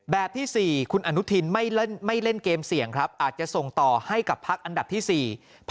ที่๔คุณอนุทินไม่เล่นเกมเสี่ยงครับอาจจะส่งต่อให้กับพักอันดับที่๔